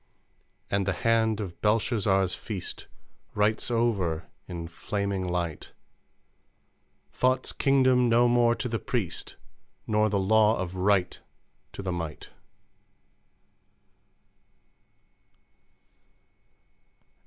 "And the Hand of Belshazzar's Feast Writes over, in flaming light, 'Thought's kingdom no more to the Priest; Nor the law of Right to the Might.'"